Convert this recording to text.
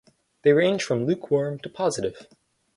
They range from lukewarm to positive.